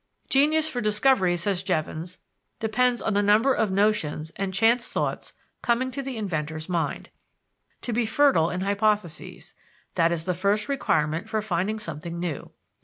"Genius for discovery," says Jevons, depends on the number of notions and chance thoughts coming to the inventor's mind. To be fertile in hypotheses that is the first requirement for finding something new.